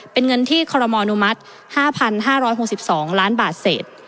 เป็นเงินที่คอรมออนุมัติ๕๕๖๒ล้านบาทเศษ